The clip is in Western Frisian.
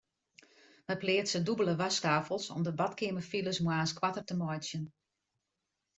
Wy pleatse dûbelde wasktafels om de badkeamerfiles moarns koarter te meitsjen.